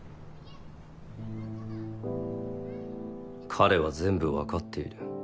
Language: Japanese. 彼は全部わかっている。